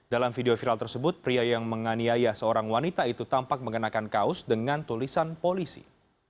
dalam video viral tersebut pria yang menganiaya seorang wanita itu tampak mengenakan kaos dengan tulisan polisi